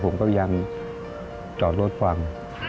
ผมก็พยายามจอดรถฟัง